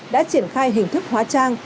đã triển khai hình thức hóa trang